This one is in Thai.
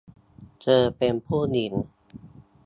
เธอเป็นผู้หญิง